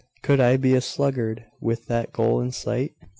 Could I be a sluggard with that goal in sight?